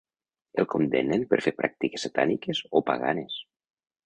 El condemnen per fer pràctiques satàniques o paganes.